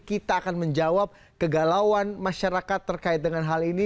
kita akan menjawab kegalauan masyarakat terkait dengan hal ini